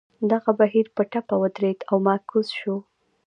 دغه بهیر په ټپه ودرېد او معکوس شو.